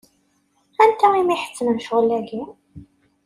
Anta i m-iḥettmen ccɣel-agi?